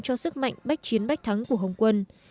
cho sức mạnh bách chiến bách thắng của hồng quân